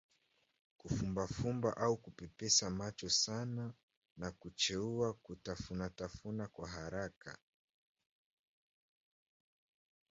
Kufumbafumba au kupepesa macho sana na kucheua kutafunatafuna kwa haraka